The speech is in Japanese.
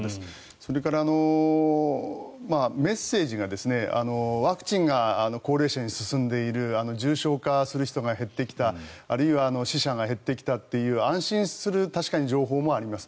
それから、メッセージがワクチンが高齢者に進んでいる重症化する人が減ってきたあるいは死者が減ってきたという安心する情報も確かにあります。